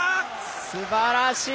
すばらしい！